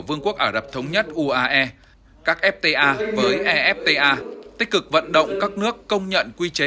vương quốc ả rập thống nhất uae các fta với efta tích cực vận động các nước công nhận quy chế